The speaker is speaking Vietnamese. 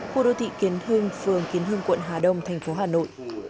khu đô thị kiến hưng phường kiến hưng quận hà đông thành phố hà nội